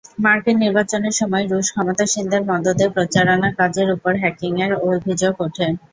মার্কিন নির্বাচনের সময় রুশ ক্ষমতাসীনদের মদদে প্রচারণাকাজের ওপর হ্যাকিংয়ের অভিযোগ ওঠে।